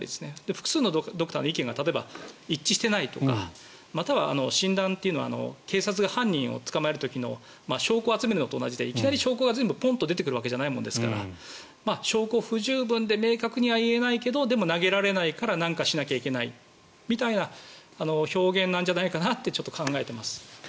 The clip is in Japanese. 複数のドクターの意見が例えば一致していないとかまたは診断というのは警察が犯人を捕まえる時の証拠を集めるのと一緒でいきなり証拠が全部ポンと出てくるわけではないですから証拠不十分で明確には言えないけどでも投げられないから何かしなきゃいけないという表現じゃないかなとちょっと考えています。